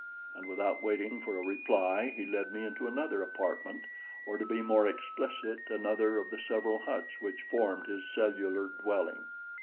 And without waiting for a reply, he led me into another apartment, or to be more explicit, another of the several huts which formed his cellular dwelling.